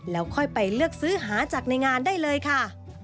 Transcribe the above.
แล้วค่อยไปเลือกซื้อหาจากในงานได้เลยค่ะ